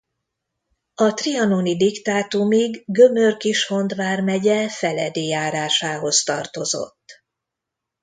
A trianoni diktátumig Gömör-Kishont vármegye Feledi járásához tartozott.